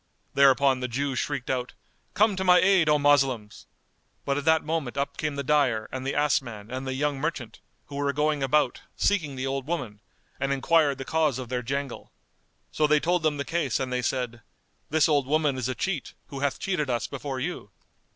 Thereupon the Jew shrieked out, "Come to my aid, O Moslems!" but at that moment up came the dyer and the ass man and the young merchant, who were going about, seeking the old woman, and enquired the cause of their jangle. So they told them the case and they said, "This old woman is a cheat, who hath cheated us before you."